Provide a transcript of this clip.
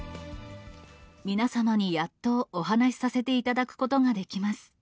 皆様にやっとお話させていただくことができます。